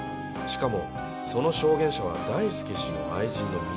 しかもその証言者は大輔氏の愛人の水岡由紀子。